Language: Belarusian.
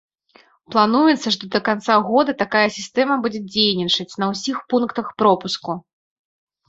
Плануецца, што да канца года такая сістэма будзе дзейнічаць на ўсіх пунктах пропуску.